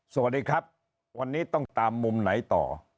สวัสดีครับวันนี้ต้องตามมุมไหนต่อ